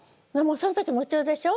その時夢中でしょ。